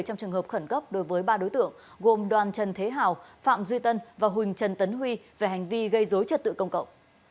trong trường hợp khẩn cấp đối với ba đối tượng gồm đoàn trần thế hào phạm duy tân và huỳnh trần tấn huy về hành vi gây dối trật tự công cộng